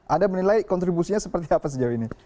anda menilai kontribusinya seperti apa sejauh ini